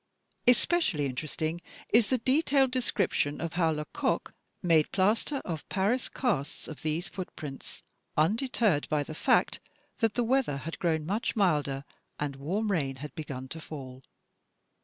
Especially interesting is the detailed description of how Lecoq made plaster of Paris casts of these footprints, un deterred by the fact that the weather had grown much milder and a warm rain had begun to fall.